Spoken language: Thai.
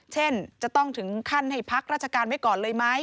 จะต้องถึงขั้นให้พักราชการไว้ก่อนเลยไหม